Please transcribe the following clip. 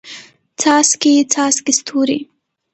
څاڅکي، څاڅکي ستوري